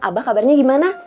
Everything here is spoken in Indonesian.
abah kabarnya gimana